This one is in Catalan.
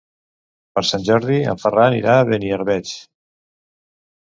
Per Sant Jordi en Ferran irà a Beniarbeig.